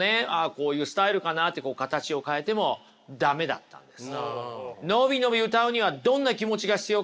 こういうスタイルかなって形を変えても駄目だったんです。